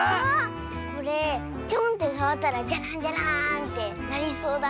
これチョンってさわったらジャランジャラーンってなりそうだね。